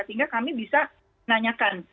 sehingga kami bisa menanyakan